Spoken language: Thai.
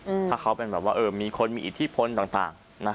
ถ้าเขาเป็นแบบว่าเออมีคนมีอิทธิพลต่างต่างนะ